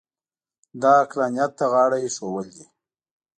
دا عقلانیت ته غاړه اېښودل دي.